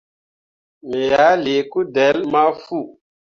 Me ah lii kudelle ma fu.